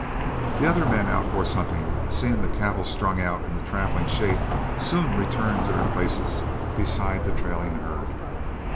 The other men out horse hunting, seeing the cattle strung out in traveling shape, soon returned to their places beside the trailing herd.